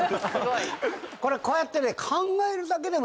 これこうやってね。